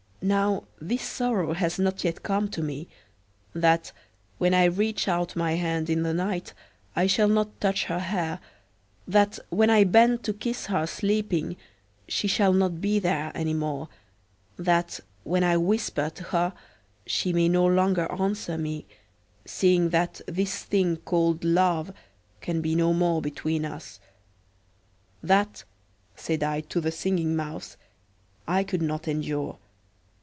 Now, this sorrow has not yet come to me; that when I reach out my hand in the night I shall not touch her hair; that when I bend to kiss her sleeping she shall not be there any more; that when I whisper to her she may no longer answer to me, seeing that this thing called Love can be no more between us. That," said I to the Singing Mouse, "I could not endure."